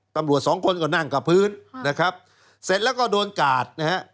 ตำรวจ๒คนก็นั่งกับพื้นเสร็จแล้วก็โดนกาด